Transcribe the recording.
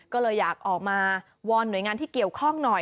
ก็เลยอยากออกมาวอนหน่วยงานที่เกี่ยวข้องหน่อย